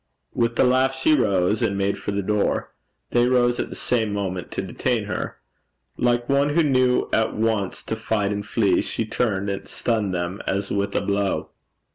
With the laugh she rose, and made for the door. They rose at the same moment to detain her. Like one who knew at once to fight and flee, she turned and stunned them as with a blow.